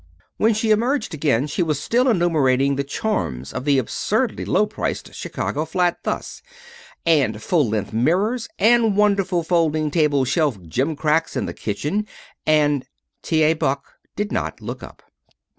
When she emerged again she was still enumerating the charms of the absurdly low priced Chicago flat, thus: " and full length mirrors, and wonderful folding table shelf gimcracks in the kitchen, and " T. A. Buck did not look up.